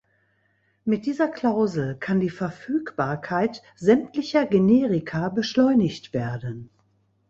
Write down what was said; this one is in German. Mit dieser Klausel kann die Verfügbarkeit sämtlicher Generika beschleunigt werden.